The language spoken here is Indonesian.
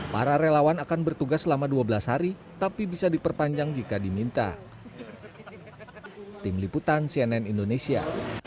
para relawan akan bertugas selama dua belas hari tapi bisa diperpanjang jika diminta tim liputan cnn indonesia